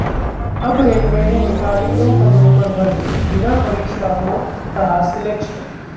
अब रेलवे ने निकाली इन पदों पर भर्ती, बिना परीक्षा हो रहा सेलेक्शन